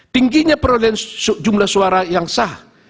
tingginya perolehan jumlah suara yang sah